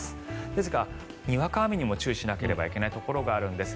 ですが、にわか雨にも注意しなければいけないところがあるんです。